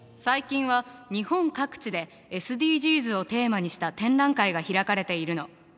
最近は日本各地でＳＤＧｓをテーマにした展覧会が開かれているの。